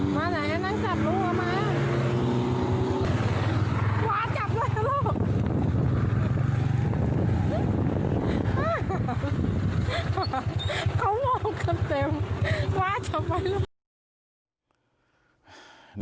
เขามองกันเต็มว้าวจับไปแล้ว